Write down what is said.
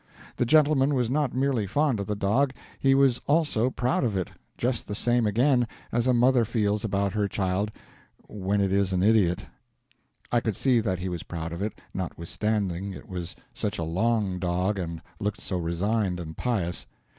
The gentleman was not merely fond of the dog, he was also proud of it just the same again, as a mother feels about her child when it is an idiot. I could see that he was proud of it, not withstanding it was such a long dog and looked so resigned and pious.